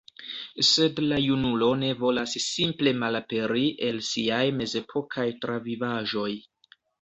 Sed la junulo ne volas simple malaperi el siaj mezepokaj travivaĵoj.